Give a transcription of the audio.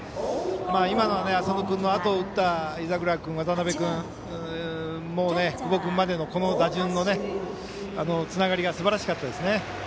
今の浅野君のあと打った井櫻君、渡邊君久保君までのこの打順のつながりがすばらしかったですね。